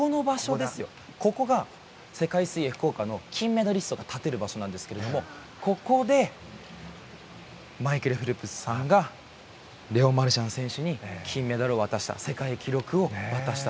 ここが、世界水泳福岡の金メダリストが立てる場所なんですがここでマイケル・フェルプスさんがレオン・マルシャン選手に金メダルを渡した世界記録を渡した。